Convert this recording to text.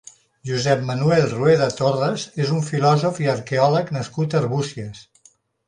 Josep Manuel Rueda Torres és un filòsof i arqueòleg nascut a Arbúcies.